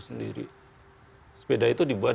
sendiri sepeda itu dibuat